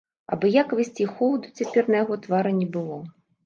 Абыякавасці і холаду цяпер на яго твары не было.